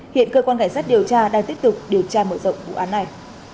hiện cơ quan cảnh sát điều tra đang tiếp tục điều tra mở rộng vụ án này